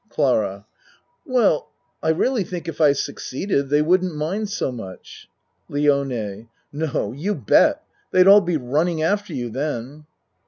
CLARA Well, I really think if I succeeded, they wouldn't mind so much. LIONE No you bet. They'd all be running after you then.